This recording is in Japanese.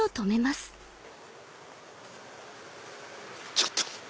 ちょっと！